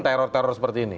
teror teror seperti ini